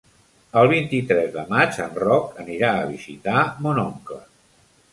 El vint-i-tres de maig en Roc anirà a visitar mon oncle.